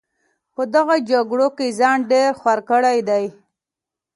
په دغه جګړو کې ځان ډېر خوار کړی دی.